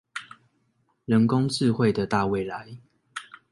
人工智慧的大未來